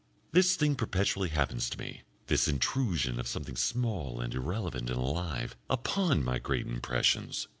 This thing perpetually happens to me, this intrusion of something small and irrelevant and alive, upon my great impressions.